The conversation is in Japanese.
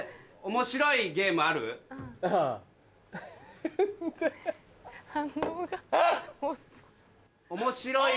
面白いゲームはい？